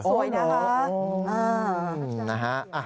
สวยนะคะ